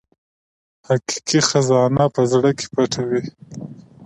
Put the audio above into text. حقیقي خزانه په زړه کې پټه وي.